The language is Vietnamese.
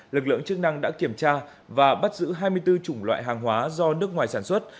lực lượng chức năng đã kiểm tra và bắt giữ hai mươi bốn chủng loại hàng hóa do nước ngoài sản xuất